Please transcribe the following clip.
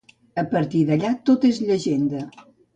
A partir d'allà tot és llegenda.